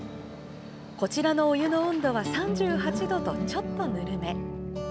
こちらのお湯の温度は３８度と、ちょっとぬるめ。